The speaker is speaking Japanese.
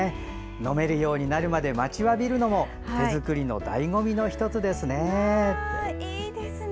飲めるようになるまで待ちわびるのも手作りのだいご味の１つですね。